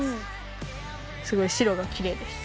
すごい白がキレイです。